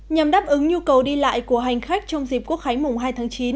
nhằm đáp ứng nhu cầu đi lại của hành khách trong dịp quốc khánh mùng hai tháng chín